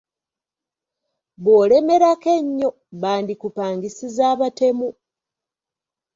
Bw’olemerako ennyo, bandikupangisiza abatemu.